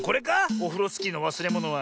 オフロスキーのわすれものは。